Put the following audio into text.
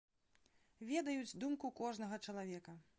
Ведаюць думку кожнага чалавека.